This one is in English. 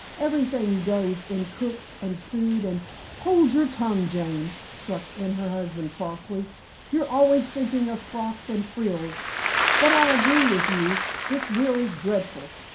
Everything goes in cooks and food and " "Hold your tongue, Jane," struck in her husband crossly. "You're always thinking of frocks and frills. But I agree with you this will is dreadful.